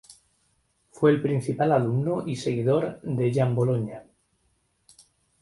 Fue el principal alumno y seguidor de Giambologna.